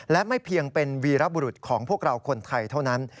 และไม่เพียงเป็นวีรบุรุษของพวกเราคนไทยเท่านั้น